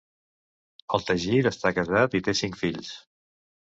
Al Tajir està casat i té cinc fills.